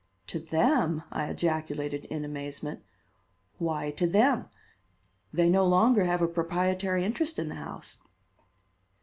"To them!" I ejaculated in amazement. "Why to them? They no longer have a proprietary interest in the house."